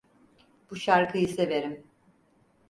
Bu şarkıyı severim.